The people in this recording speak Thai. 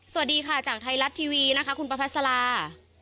สวัสดีค่ะจากไทยรัฐทีวีนะคะคุณประพัสลา